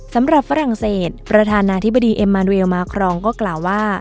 ฝรั่งเศสประธานาธิบดีเอ็มมานเรียลมาครองก็กล่าวว่า